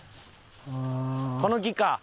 この木か。